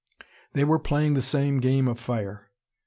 They were playing the same game of fire.